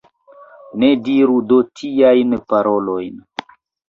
Ne diru do tiajn parolojn!